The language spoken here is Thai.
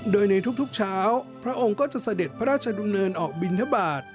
โดยในทุกเช้าพระองค์ก็จะเสด็จพระราชดำเนินออกบินทบาท